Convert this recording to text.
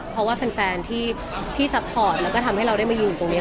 เพราะว่าแฟนที่ซัพพอร์ตแล้วก็ทำให้เราได้มายืนอยู่ตรงนี้